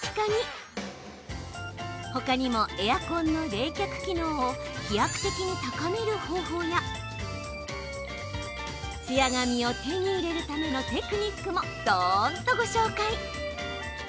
ほかにもエアコンの冷却機能を飛躍的に高める方法やツヤ髪を手に入れるためのテクニックもどんとご紹介。